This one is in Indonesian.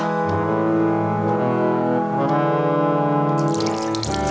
kok bibir gue kerasa sakit ya